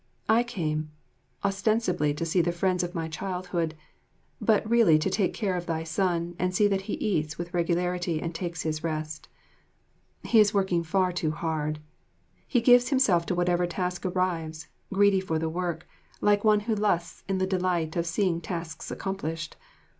I came, ostensibly to see the friends of my childhood, but really to take care of thy son and see that he eats with regularity and takes his rest. He is working far too hard. He gives himself to whatever task arrives, greedy for the work, like one who lusts in the delight of seeing tasks accomplished.